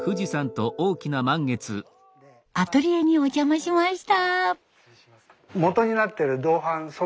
アトリエにお邪魔しました。